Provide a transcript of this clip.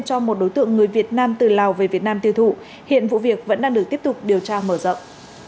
cho một đối tượng người việt nam từ lào về việt nam tiêu thụ hiện vụ việc vẫn đang được tiếp tục điều tra mở rộng